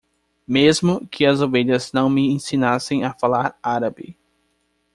Mesmo que as ovelhas não me ensinassem a falar árabe.